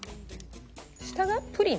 下がプリン？